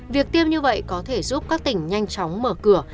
việc tiêm như vậy có thể giúp các tỉnh nhanh chóng mở cửa